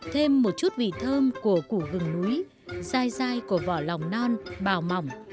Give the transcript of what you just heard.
thêm một chút vị thơm của củ gừng núi dai dai của vỏ lòng non bào mỏng